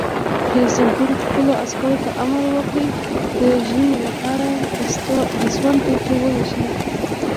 رئیس جمهور خپلو عسکرو ته امر وکړ؛ د ژمي لپاره د سون توکي وویشئ!